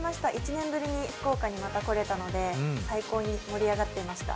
１年ぶりに福岡にまた来れたので最高に盛り上がっていました。